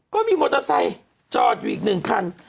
ก็มีมอเตอร์ไซค์จอดอยู่อีกหนึ่งคัน